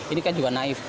ini kan juga naif